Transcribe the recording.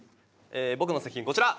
僕の作品こちら。